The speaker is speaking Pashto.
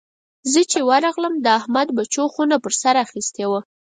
زه چې ورغلم؛ د احمد بچو خونه پر سر اخيستې وه.